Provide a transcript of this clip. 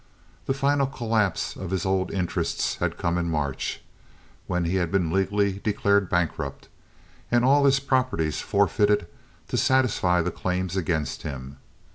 The final collapse of his old interests had come in March, when he had been legally declared a bankrupt, and all his properties forfeited to satisfy the claims against him.